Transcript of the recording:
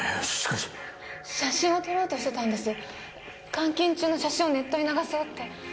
監禁中の写真をネットに流そうって。